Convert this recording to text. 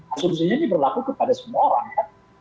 asumsinya ini berlaku kepada semua orang kan